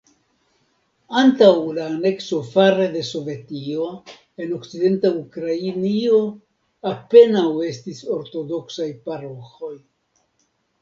Antaŭ la anekso fare de Sovetio, en okcidenta Ukrainio apenaŭ estis ortodoksaj paroĥoj.